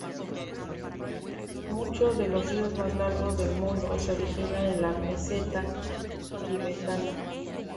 Muchos de los ríos más largos del mundo se originan en la meseta tibetana.